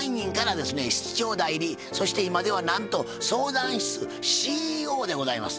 室長代理そして今ではなんと相談室ＣＥＯでございます。